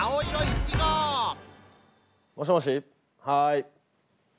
はい。